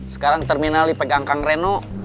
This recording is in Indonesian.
sekarang terminal di pegangkang reno